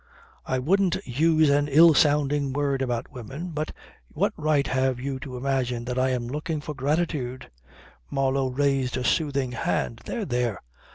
I wouldn't use an ill sounding word about women, but what right have you to imagine that I am looking for gratitude?" Marlow raised a soothing hand. "There! There!